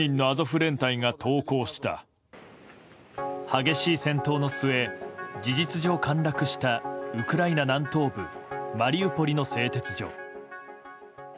激しい戦闘の末事実上陥落したウクライナ南東部マリウポリの製鉄所。